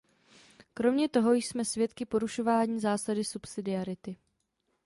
Kromě toho jsme svědky porušování zásady subsidiarity.